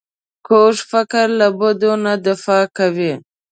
کوږ فکر له بدو نه دفاع کوي